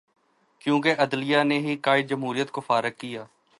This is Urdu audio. کیونکہ عدلیہ نے ہی قائد جمہوریت کو فارغ کیا۔